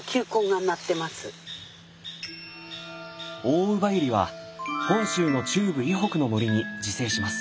オオウバユリは本州の中部以北の森に自生します。